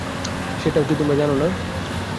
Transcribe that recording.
সেটাও কি তোমরা জানো না?